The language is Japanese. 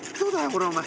これお前。